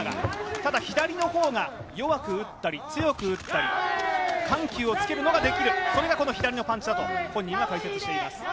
ただ、左の方が弱く打ったり、強く打ったり緩急をつけるのができる、それが左パンチだと解説しています。